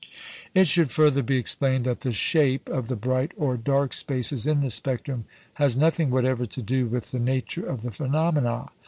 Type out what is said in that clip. It should further be explained that the shape of the bright or dark spaces in the spectrum has nothing whatever to do with the nature of the phenomena.